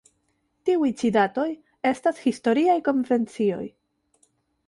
Tiuj ĉi datoj estas historiaj konvencioj.